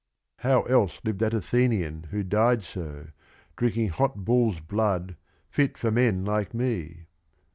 How else lived that Athenian who died so, Drinking hot bull's blood, fit for men like me?